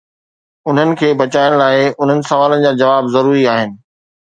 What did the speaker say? انهن کي بچائڻ لاء، انهن سوالن جا جواب ضروري آهن.